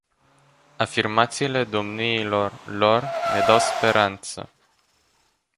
Afirmațiile domniilor lor ne dau speranță.